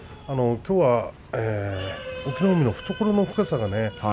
きょうは隠岐の海の懐の深さが。